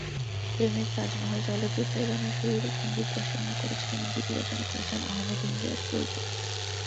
প্রেমের তাজমহল চলচ্চিত্রের গানের সুর ও সঙ্গীত পরিচালনা করেছেন এবং গীত রচনা করেছেন আহমেদ ইমতিয়াজ বুলবুল।